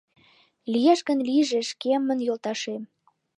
Лиеш гын, лийже шкемын йолташем